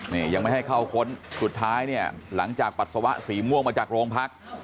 นี่ยังไม่ให้เข้าค้นสุดท้ายเนี่ยหลังจากปัสสาวะสีม่วงมาจากโรงพัก